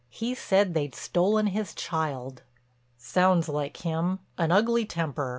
He said they'd stolen his child." "Sounds like him—an ugly temper.